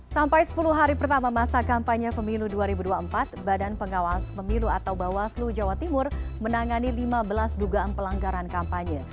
sampai sepuluh hari pertama masa kampanye pemilu dua ribu dua puluh empat badan pengawas pemilu atau bawaslu jawa timur menangani lima belas dugaan pelanggaran kampanye